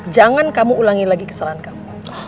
jangan kamu ulangi lagi kesalahan kamu